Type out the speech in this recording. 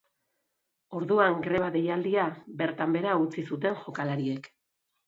Orduan, greba deialdia bertan behera utzi zuten jokalariek.